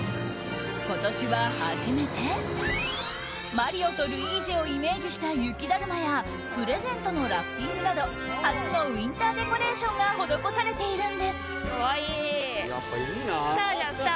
今年は初めてマリオとルイージをイメージした雪だるまやプレゼントのラッピングなど初のウィンターデコレーションが施されているんです。